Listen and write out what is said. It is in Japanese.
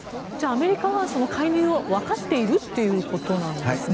アメリカは介入を分かっているということなんですね。